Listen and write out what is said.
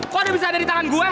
kok ada abisan dari tangan gue